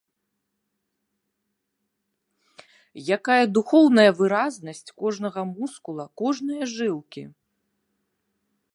Якая духоўная выразнасць кожнага мускула, кожнае жылкі!